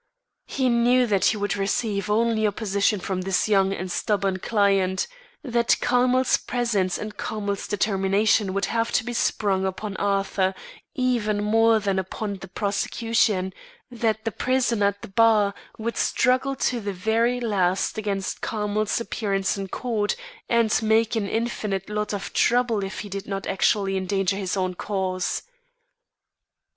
He knew that he would receive only opposition from his young and stubborn client; that Carmel's presence and Carmel's determination would have to be sprung upon Arthur even more than upon the prosecution; that the prisoner at the bar would struggle to the very last against Carmel's appearance in court, and make an infinite lot of trouble, if he did not actually endanger his own cause.